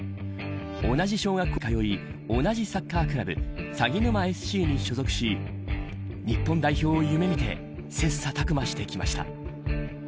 同じ小学校に通い同じサッカークラブさぎぬまＳＣに所属し日本代表を夢見て切磋琢磨してきました。